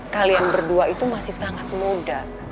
kalian berdua itu masih sangat muda